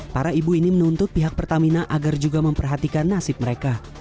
para ibu ini menuntut pihak pertamina agar juga memperhatikan nasib mereka